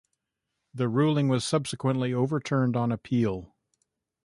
The ruling was subsequently overturned on appeal.